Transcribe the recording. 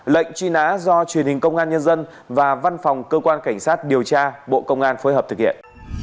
lệnh truy nã do truyền hình công an nhân dân và văn phòng cơ quan cảnh sát điều tra bộ công an phối hợp thực hiện